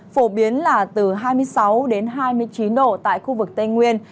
phổ biến là từ hai mươi sáu hai mươi chín độ tại khu vực tây nguyên